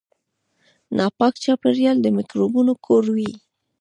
ناپاک چاپیریال د میکروبونو کور وي.